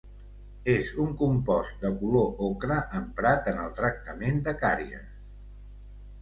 És un compost de color ocre emprat en el tractament de càries.